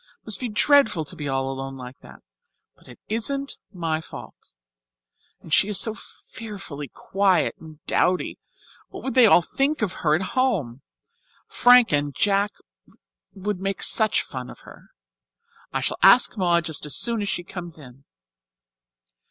It must be dreadful to be all alone like that. But it isn't my fault. And she is so fearfully quiet and dowdy what would they all think of her at home? Frank and Jack would make such fun of her. I shall ask Maud just as soon as she comes in."